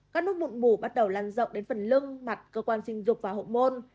các nốt mụn mủ bắt đầu lan rộng đến phần lưng mặt cơ quan sinh dục và hậu môn